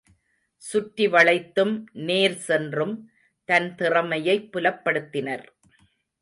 சுற்றி வளைத்தும், நேர் சென்றும் தன் திறமையைப் புலப்படுத்தினர்.